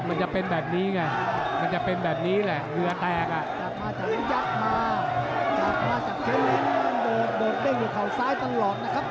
มันจะเป็นแบบนี้ไงมันจะเป็นแบบนี้แหละเหลือแทรกอ่ะ